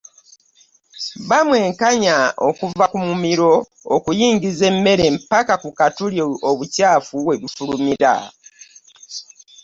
Bamwekenenya okuva ku mumiro oguyingiza emmere mpaka ku katuli obukyafu webufulumira.